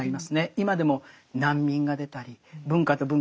今でも難民が出たり文化と文化が衝突したりする。